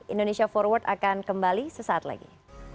indonesia forward akan kembali sesaat lagi